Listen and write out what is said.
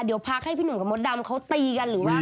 เดี๋ยวพักให้พี่หนุ่มกับมดดำเขาตีกันหรือว่า